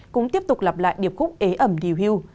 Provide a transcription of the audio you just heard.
cũng tiếp tục lặp lại điệp khúc ế ẩm điều hưu